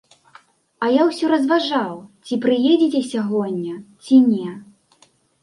А я ўсё разважаў, ці прыедзеце сягоння, ці не.